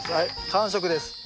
完食です。